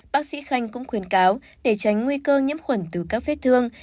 bác sĩ khanh cũng khuyên cáo để tránh nguy cơ nhiễm khuẩn từ các vết thương